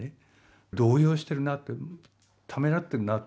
動揺してるなってためらってるなって。